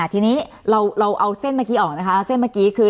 ทีนี้เราเอาเส้นเมื่อกี้ออกนะคะเส้นเมื่อกี้คือ